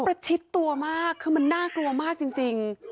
ประชิดตัวมากคือมันน่ากลัวมากจริง